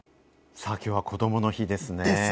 さぁ今日は、こどもの日ですね。